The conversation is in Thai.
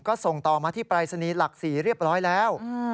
ก็ส่งต่อมาที่ปรายศนีย์หลัก๔เรียบร้อยแล้ว